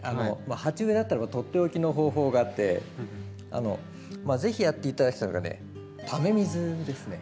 鉢植えだったらば取って置きの方法があって是非やって頂きたいのがねため水ですね。